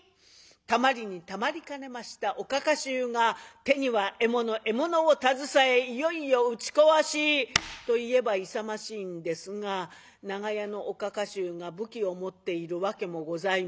たまりにたまりかねましたおかか衆が手には得物得物を携えいよいよ打ち壊しと言えば勇ましいんですが長屋のおかか衆が武器を持っているわけもございません。